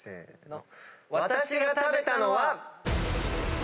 私が食べたのは。